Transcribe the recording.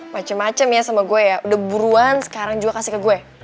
macem macem ya sama gue ya udah buruan sekarang juga kasih ke gue